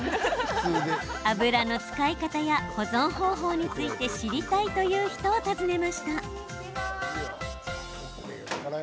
油の使い方や保存方法について知りたいという人を訪ねました。